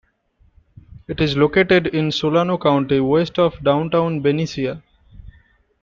It is located in Solano County west of downtown Benicia.